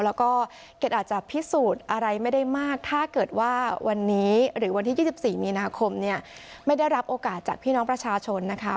แล้วก็เกรดอาจจะพิสูจน์อะไรไม่ได้มากถ้าเกิดว่าวันนี้หรือวันที่๒๔มีนาคมเนี่ยไม่ได้รับโอกาสจากพี่น้องประชาชนนะคะ